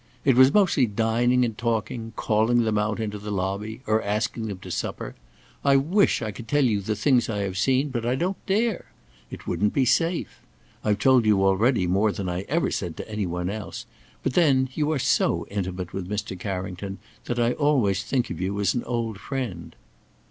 It was mostly dining and talking, calling them out into the lobby or asking them to supper. I wish I could tell you things I have seen, but I don't dare. It wouldn't be safe. I've told you already more than I ever said to any one else; but then you are so intimate with Mr. Carrington, that I always think of you as an old friend."